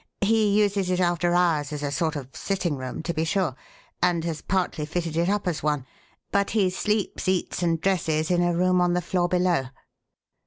He uses it after hours as a sort of sitting room, to be sure, and has partly fitted it up as one, but he sleeps, eats, and dresses in a room on the floor below."